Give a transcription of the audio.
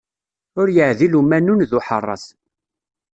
Ur yeɛdil umanun d uḥeṛṛat.